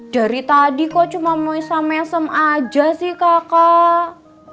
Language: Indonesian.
dari tadi kok cuma mau isam esam aja sih kakak